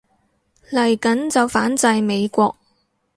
嚟緊就反制美國